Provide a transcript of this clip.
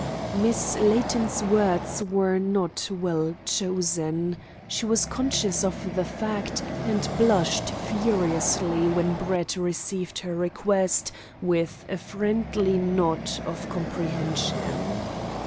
Miss Layton's words were not well chosen. She was conscious of the fact, and blushed furiously when Brett received her request with a friendly nod of comprehension.